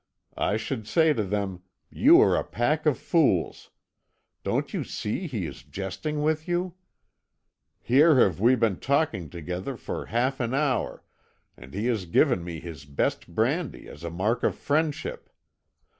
I should say to them, 'You are a pack of fools. Don't you see he is jesting with you? Here have we been talking together for half an hour, and he has given me his best brandy as a mark of friendship.